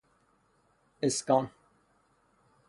اسکان